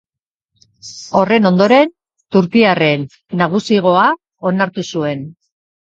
Horren ondoren Turkiarren nagusigoa onartu zuen.